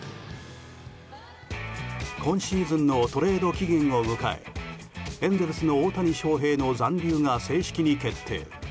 今シーズンのトレード期限を迎えエンゼルスの大谷翔平の残留が正式に決定。